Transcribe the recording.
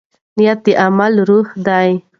نیت د عمل روح دی.